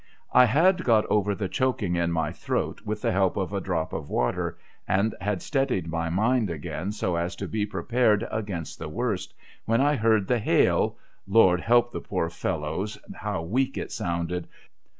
I had got over the choking in my throat with the help of a drop of water, and had steadied my mind again so as to be prepared against the worst, when I heard the hail (Lord help the poor fellows, how weak it sounded